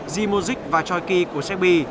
djokovic và czajki của sebi